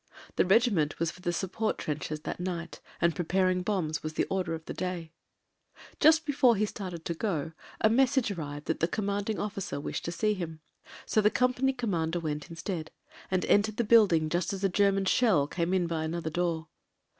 The regiment was for the sup port trenches that night, and preparing bcxnbs was the order of the day. Just as he started to go, a message arrived that the CO. wished to see him. So the company commander went instead ; and entered the building just as a Ger man shell came in by another door.